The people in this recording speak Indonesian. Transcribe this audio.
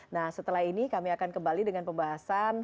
nah setelah ini kami akan kembali dengan pembahasan